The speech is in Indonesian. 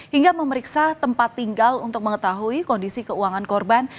hingga memeriksa tempat tinggal untuk mengetahui kondisi keuangan korban